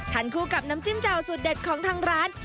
คู่กับน้ำจิ้มแจ่วสูตรเด็ดของทางร้าน